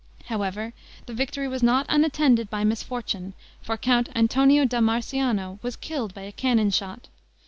However, the victory was not unattended by misfortune, for Count Antonio da Marciano was killed by a cannon shot.